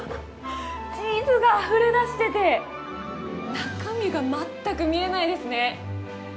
チーズがあふれ出してて中身が全く見えないですね。